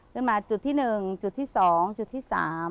ขึ้นมาจุดที่๑จุดที่๒จุดที่๓